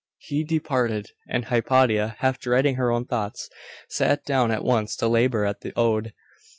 He departed; and Hypatia, half dreading her own thoughts, sat down at once to labour at the ode.